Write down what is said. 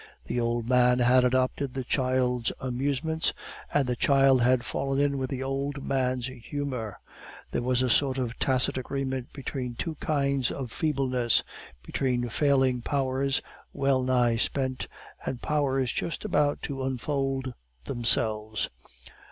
The old man had adopted the child's amusements, and the child had fallen in with the old man's humor; there was a sort of tacit agreement between two kinds of feebleness, between failing powers well nigh spent and powers just about to unfold themselves.